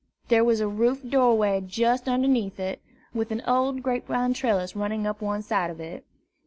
There was a roofed door way just underneath it, with an old grapevine trellis running up one side of it.